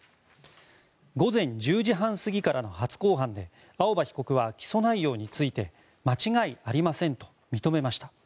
午前１０時半過ぎからの初公判で青葉被告は起訴内容について間違いありませんと認めました。